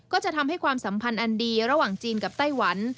ก็จะทำให้ความสัมพันธ์อันดีระหว่างจีนกับไต้หวัน